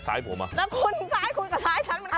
ซ้ายคุณอะไรซ้ายผมอ่ะ